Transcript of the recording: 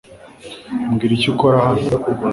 Mbwira icyo ukora hano .